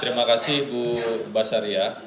terima kasih bu basaryah